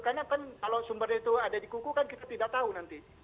karena kan kalau sumbernya itu ada di kuku kan kita tidak tahu nanti